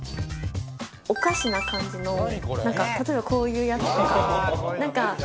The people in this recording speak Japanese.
おかしな感じの例えばこういうやつとか。